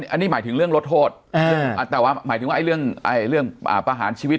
อันนี้หมายถึงเรื่องลดโทษแต่ว่าหมายถึงว่าเรื่องประหารชีวิต